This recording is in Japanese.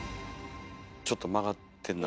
ちょっと曲がってんな。